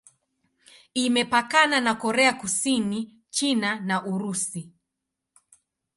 Imepakana na Korea Kusini, China na Urusi.